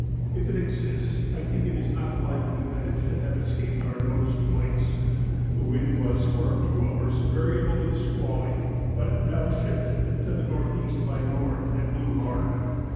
If it exists, I think it not likely that it should have escaped our notice twice. The wind was for a few hours variable and squally; but it now shifted to N.E. by N. and blew hard.